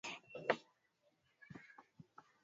Nitakapokuona,